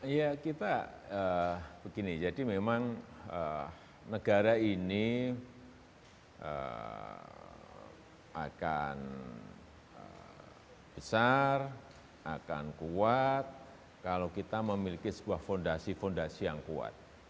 ya kita begini jadi memang negara ini akan besar akan kuat kalau kita memiliki sebuah fondasi fondasi yang kuat